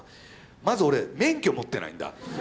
まず俺免許持ってないんだ。